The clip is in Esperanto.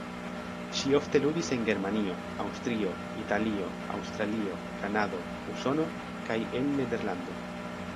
Ŝi ofte ludis en Germanio, Aŭstrio, Italio, Aŭstralio, Kanado, Usono kaj en Nederlando.